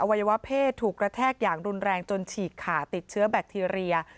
วัยวะเพศถูกกระแทกอย่างรุนแรงจนฉีกขาติดเชื้อแบคทีเรีย